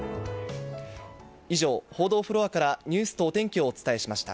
以上、報道フロアからニュースとお天気をお伝えしました。